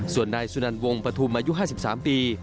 ส่วนนายสุนันวงปฐุมอายุ๕๓ปี